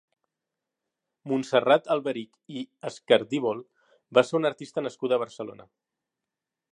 Montserrat Alberich i Escardívol va ser una artista nascuda a Barcelona.